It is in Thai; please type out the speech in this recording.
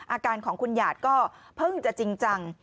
อาการของคุณหยาดก็เพิ่งจะจริงจัง